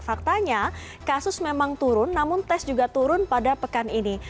faktanya kasus memang turun namun tes juga turun pada pekan ini